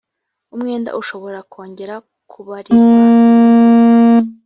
umwenda ushobora kongera kubarirwa inyungu